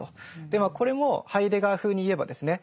でまあこれもハイデガー風に言えばですね